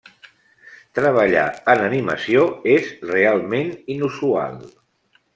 Treballar en animació és realment inusual.